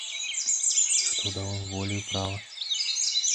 І хто даў ім волю і права?!